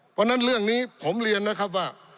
เพราะฉะนั้นเรื่องนี้ผมเรียนนะครับว่า